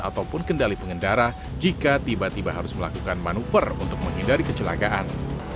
ataupun kendali pengendara jika tiba tiba harus melakukan manuver untuk menghindari kecelakaan